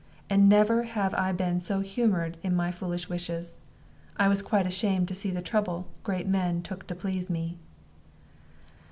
And never had I been so humored in my foolish wishes: I was quite ashamed to see the trouble great men took to please me.